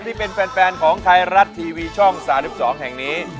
ที่เป็นแฟนของไทยรัฐทีวีช่อง๓๒แห่งนี้